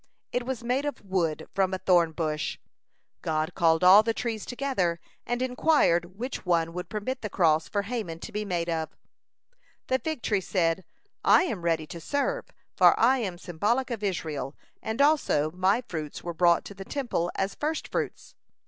It was made of wood from a thorn bush. God called all the trees together and inquired which one would permit the cross for Haman to be made of it. The fig tree said: "I am ready to serve, for I am symbolic of Israel, and, also, my fruits were brought to the Temple as firstfruits."